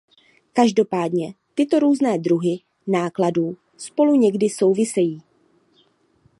Každopádně tyto různé druhy nákladů spolu někdy souvisejí.